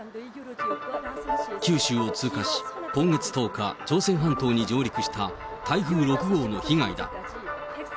九州を通過し、今月１０日、朝鮮半島に上陸した台風６号の被害だ。